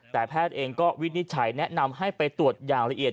แต่แพทย์เองก็วินิจฉัยแนะนำให้ไปตรวจอย่างละเอียด